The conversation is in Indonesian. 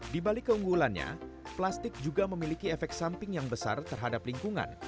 di balik keunggulannya plastik juga memiliki efek samping yang besar terhadap lingkungan